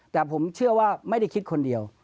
แต่ผมเชื่อว่าไม่ได้คิดคนเดียว